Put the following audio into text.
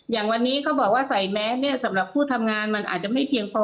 อย่างวันนี้เขาบอกว่าใส่แมสเนี่ยสำหรับผู้ทำงานมันอาจจะไม่เพียงพอ